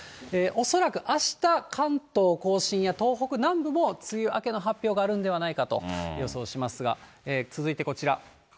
恐らくあした、関東甲信や東北南部も梅雨明けの発表があるんではないかと予想しますが、続いてこちら。